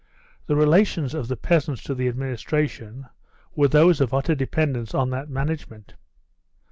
The relations of the peasants to the administration were those of utter dependence on that management.